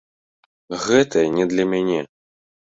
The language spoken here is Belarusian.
Гэта не для мяне.